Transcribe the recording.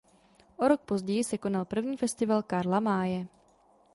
O rok později se konal první Festival Karla Maye.